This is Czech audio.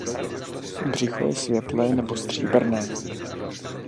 Břicho je světlé nebo stříbrné.